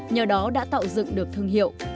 nhờ đó đã tạo dựng được thương hiệu